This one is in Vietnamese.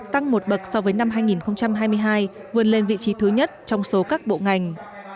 tăng một bậc so với năm hai nghìn hai mươi hai vươn lên vị trí thứ nhất trong số các bộ ngành